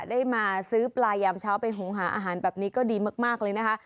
ได้มาซื้อปลายามเช้าไปหงหาอาหารแบบนี้ก็ดีมากเลยนะคะ